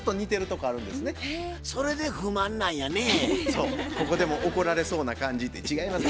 ここでも怒られそうな感じ。って違います。